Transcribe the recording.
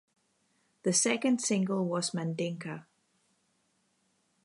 The second single was 'Mandinka'.